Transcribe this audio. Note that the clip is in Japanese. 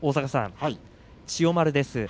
千代丸です。